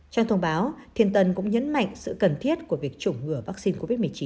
trong thông báo thiên tân cũng nhấn mạnh sự cần thiết của việc chủng ngừa vaccine covid một mươi chín